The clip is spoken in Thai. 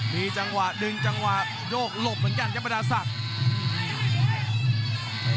มีจังหวะดึงจังหวะโยกหลบเหมือนกันครับบรรดาศักดิ์